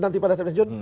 nanti pada pensiun